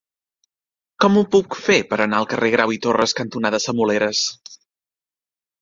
Com ho puc fer per anar al carrer Grau i Torras cantonada Semoleres?